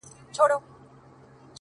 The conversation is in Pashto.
ښكلو ته كاته اكثر-